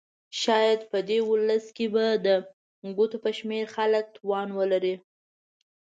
شاید په دې ولس کې به د ګوتو په شمېر خلک توان ولري.